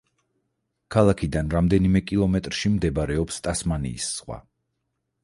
ქალაქიდან რამდენიმე კილომეტრში მდებარეობს ტასმანიის ზღვა.